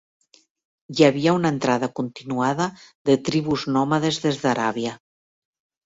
Hi havia una entrada continuada de tribus nòmades des d'Aràbia.